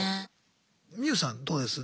ミユさんどうです？